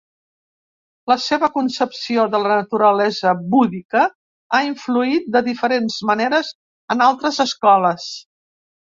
La seva concepció de la naturalesa búdica ha influït de diferents maneres en altres escoles.